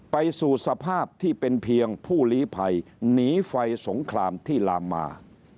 ไปสู่สภาพที่เป็นเพียงผู้ลีภัยหนีไฟสงครามที่ลามมา